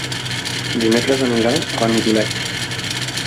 Dimecres anirà a Benidoleig.